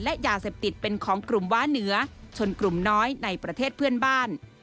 และยาเสพติดเป็นของกลุ่มว้าเหนือชนกลุ่มน้อยในประเทศเพื่อนบ้าน